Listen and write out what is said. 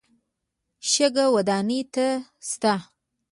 شګه ودانۍ ته شته.